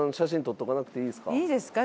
いいですか？